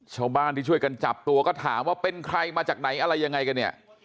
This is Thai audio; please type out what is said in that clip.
ชาวบ้านที่ช่วยกันจับตัวก็ถามว่าเป็นใครมาจากไหนอะไรยังไงกันเนี่ย